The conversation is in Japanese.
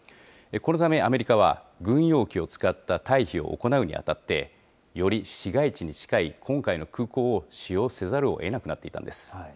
このためアメリカは、軍用機を使った退避を行うにあたって、より市街地に近い、今回の空港を使用せざるをえなくなっていたんです。